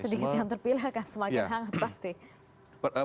semakin sedikit yang terpilih semakin hangat pasti